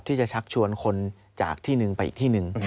ที่จะชักชวนคนจากที่นึงไปอีกที่นึง